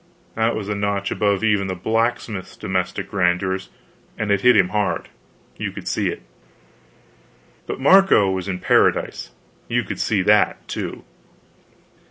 That was a notch above even the blacksmith's domestic grandeurs, and it hit him hard; you could see it. But Marco was in Paradise; you could see that, too.